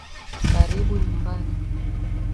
Karibu nyumbani